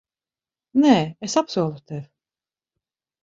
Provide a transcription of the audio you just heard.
Nē, es apsolu tev.